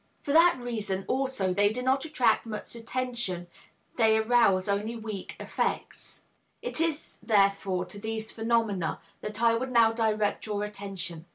For that reason also they do not attract much attention, they arouse only weak affects. It is, therefore, to these phenomena that I would now direct your attention.